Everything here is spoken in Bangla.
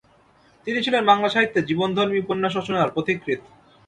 তিনি ছিলেন বাংলা সাহিত্যে জীবনধর্মী উপন্যাস রচনার পথিকৃৎ ।